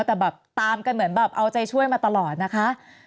แต่แบบตามกันเหมือนแบบเอาใจช่วยมาตลอดนะคะ